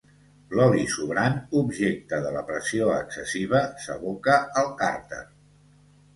L'oli sobrant, objecte de la pressió excessiva, s'aboca al càrter.